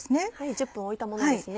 １０分置いたものですね。